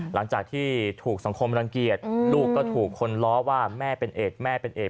หลังจากที่ถูกสังคมรังเกียจลูกก็ถูกคนล้อว่าแม่เป็นเอกแม่เป็นเอก